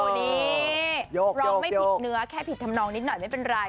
นี่ร้องไม่ผิดเนื้อแค่ผิดทำนองนิดหน่อยไม่เป็นไร